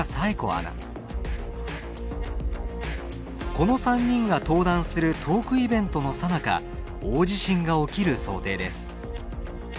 この３人が登壇するトークイベントのさなか大地震が起きる想定です。